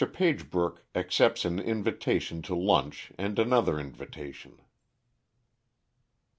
Pagebrook Accepts an Invitation to Lunch and another Invitation.